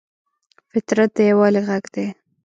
فطرت د یووالي غږ دی.